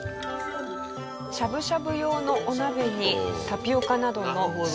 しゃぶしゃぶ用のお鍋にタピオカなどのスイーツ。